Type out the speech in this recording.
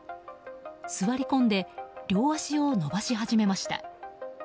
座り込んで両足を伸ばし始めました。